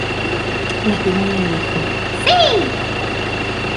La cigüeña dijo ¡Sí!